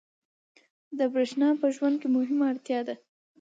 برېښنا په ژوند کې مهمه اړتیا ده.